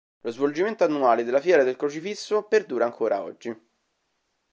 Lo svolgimento annuale della Fiera del Crocifisso perdura ancora oggi.